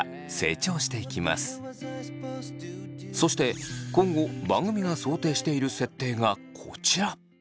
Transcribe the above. そして今後番組が想定している設定がこちら。